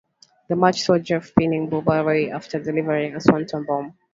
The match saw Jeff pinning Bubba Ray after delivering a Swanton Bomb.